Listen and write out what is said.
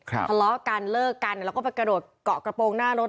ทะเลาะกันเลิกกันแล้วก็ไปกระโดดเกาะกระโปรงหน้ารถ